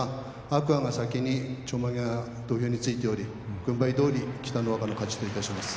天空海が先にちょんまげが土俵についており軍配どおり、北の若の勝ちといたします。